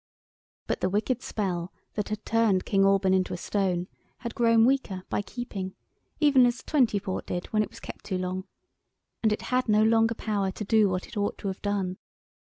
But the wicked spell that had turned King Alban into a stone had grown weaker by keeping (as even '20 port did when it was kept too long), and it had no longer power to do what it ought to have done.